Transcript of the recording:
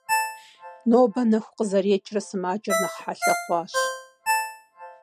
Нобэ нэху къызэрекӏрэ сымаджэр нэхъ хьэлъэ хъуащ.